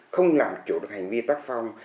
không làm chủ được hành vi tác phong